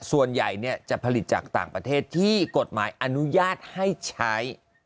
ส่วนใหญ่จะผลิตจากต่างประเทศที่กฎหมายอนุญาตให้ใช้